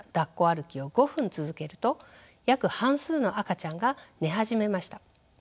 歩きを５分続けると約半数の赤ちゃんが寝始めました。